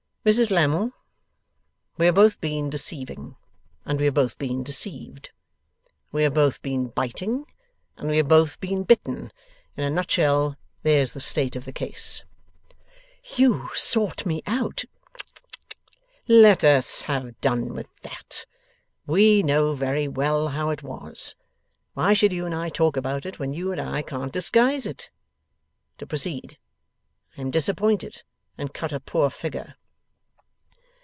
'Mrs Lammle, we have both been deceiving, and we have both been deceived. We have both been biting, and we have both been bitten. In a nut shell, there's the state of the case.' 'You sought me out ' 'Tut! Let us have done with that. WE know very well how it was. Why should you and I talk about it, when you and I can't disguise it? To proceed. I am disappointed and cut a poor figure.